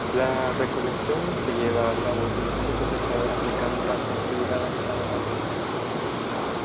La recolección se lleva a cabo utilizando cosechadoras mecánicas configuradas para tal fin.